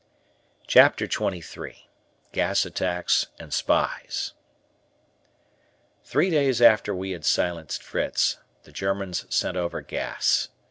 CHAPTER XXIII GAS ATTACKS AND SPIES Three days after we had silenced Fritz, the Germans sent over gas.